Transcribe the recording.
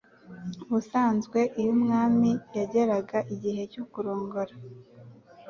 Ubusanzwe iyo umwami yageraga igihe cyo kurongora,